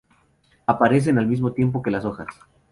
Aparecen al mismo tiempo que las hojas.